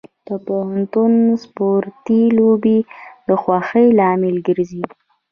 د پوهنتون سپورتي لوبې د خوښۍ لامل ګرځي.